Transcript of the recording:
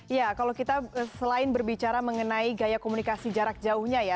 ya kalau kita selain berbicara mengenai gaya komunikasi jarak jauhnya ya